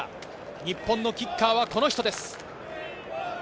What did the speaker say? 日本のキッカーはこの人です。